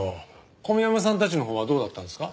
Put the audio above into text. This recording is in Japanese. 小宮山さんたちのほうはどうだったんですか？